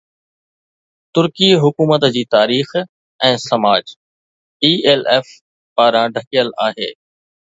ترڪي حڪومت جي تاريخ ۽ سماج ELF پاران ڍڪيل آهي